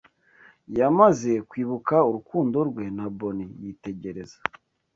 Yamaze kwibuka urukundo rwe na Boni yitegereza